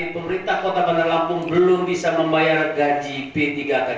pemerintah kota bandar lampung belum bisa membayar gaji p tiga k